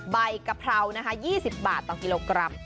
กะเพรานะคะ๒๐บาทต่อกิโลกรัม